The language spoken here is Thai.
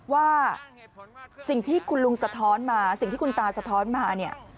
ว่าสิ่งที่คุณลุงสะท้อนมาคุณตาสะท้อนมา